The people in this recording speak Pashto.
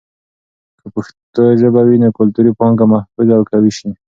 که پښتو ژبه وي، نو کلتوري پانګه محفوظ او قوي شي.